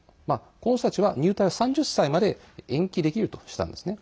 この人たちは入隊を３０歳まで延期できるとしたんですね。